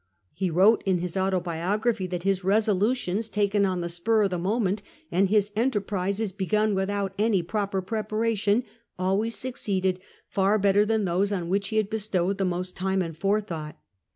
He wrote in his autobiography that his resolutions taken on the spur of the moment, and his enterprises begun without any proper preparation, always succeeded far better than those on which he had bestowed the most time and forethought.